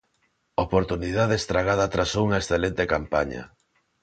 Oportunidade estragada tras unha excelente campaña.